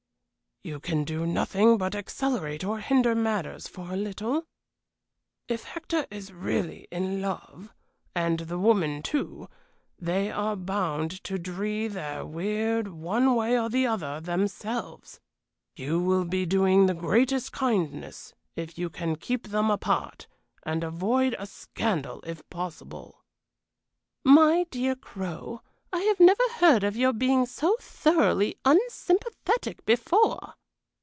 "You can do nothing but accelerate or hinder matters for a little. If Hector is really in love, and the woman, too, they are bound to dree their weird, one way or the other, themselves. You will be doing the greatest kindness if you can keep them apart, and avoid a scandal if possible." "My dear Crow, I have never heard of your being so thoroughly unsympathetic before."